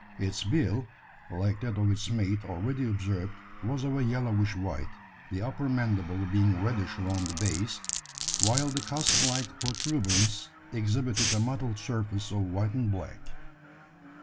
Its bill, like that of its mate already observed, was of a yellowish white, the upper mandible being reddish around the base, while the casque like protuberance exhibited a mottled surface of white and black.